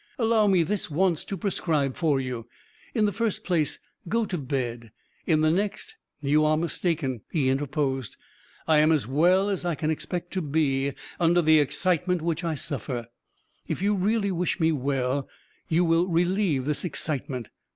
Allow me this once to prescribe for you. In the first place, go to bed. In the next " "You are mistaken," he interposed, "I am as well as I can expect to be under the excitement which I suffer. If you really wish me well, you will relieve this excitement."